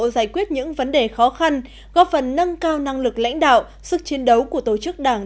giải quyết những vấn đề khó khăn góp phần nâng cao năng lực lãnh đạo sức chiến đấu của tổ chức đảng